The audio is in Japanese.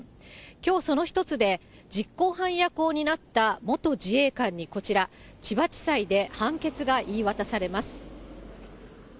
きょうその１つで、実行犯役を担った元自衛官に、こちら、千葉地裁で判決が言い渡されます。